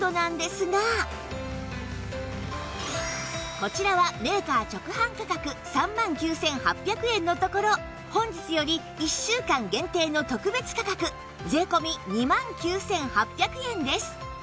こちらはメーカー直販価格３万９８００円のところ本日より１週間限定の特別価格税込２万９８００円です